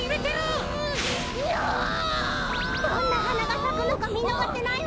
どんなはながさくのかみのがせないわ！